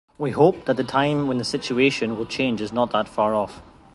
We hope that the time when this situation will change is not that far off.